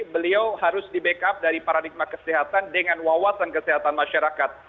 beliau harus di backup dari paradigma kesehatan dengan wawasan kesehatan masyarakat